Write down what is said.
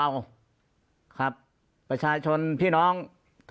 ปากกับภาคภูมิ